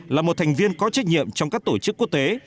là một thành viên có trách nhiệm trong các tổ chức quốc tế